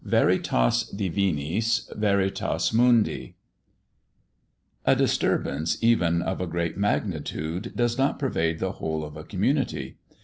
XIV VERITAS DIVINIS, VERITAS MUNDI A DISTURBANCE even of a great magnitude does not pervade the whole of a community.